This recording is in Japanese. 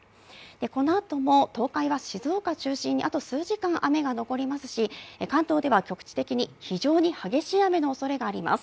このあとも東海は静岡中心にあと数時間雨が残りますし関東では局地的に非常に激しい雨のおそれがあります。